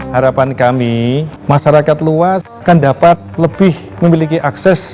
harapan kami masyarakat luas kan dapat lebih memiliki akses